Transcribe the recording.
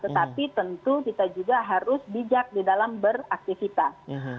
tetapi tentu kita juga harus bijak di dalam beraktivitas